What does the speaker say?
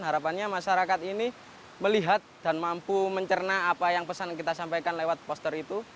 harapannya masyarakat ini melihat dan mampu mencerna apa yang pesan kita sampaikan lewat poster itu